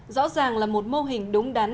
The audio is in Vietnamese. rõ ràng là một mô hình đúng đắn